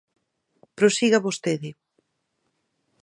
Prosiga vostede.